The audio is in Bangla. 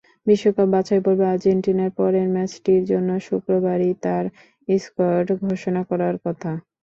বিশ্বকাপ বাছাইপর্বে আর্জেন্টিনার পরের ম্যাচটির জন্য শুক্রবারই তাঁর স্কোয়াড ঘোষণা করার কথা।